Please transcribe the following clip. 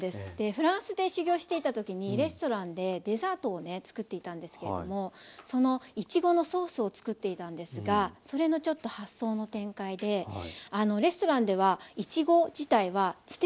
フランスで修業していた時にレストランでデザートをねつくっていたんですけれどもそのいちごのソースをつくっていたんですがそれのちょっと発想の展開でレストランではいちご自体は捨ててしまってたんですよね。